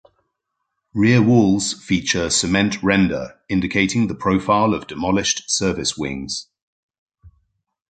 Rear walls feature cement render indicating the profile of demolished service wings.